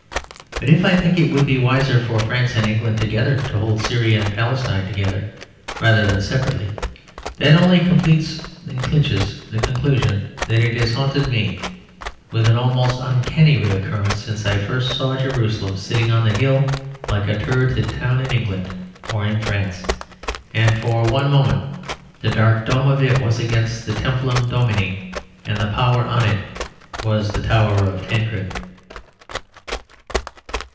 But if I think it would be wiser for France and England together to hold Syria and Palestine together rather than separately, that only completes and clinches the conclusion that has haunted me, with almost uncanny recurrence, since I first saw Jerusalem sitting on the hill like a turreted town in England or in France; and for one moment the dark dome of it was again the Templum Domini, and the tower on it was the Tower of Tancred.